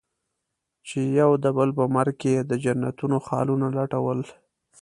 چې يو د بل په مرګ کې يې د جنتونو خالونه لټول.